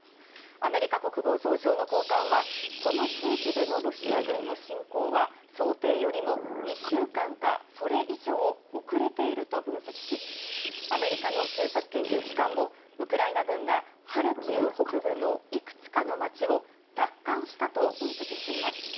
アメリカ国防総省の高官は、この地域でのロシア軍の侵攻は、想定よりも２週間か、それ以上遅れていると分析し、アメリカの政策研究機関も、ウクライナ軍がハルキウ北部のいくつかの町を奪還したと分析しています。